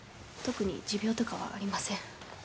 特に持病とかはありません